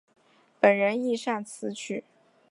本人亦擅词曲。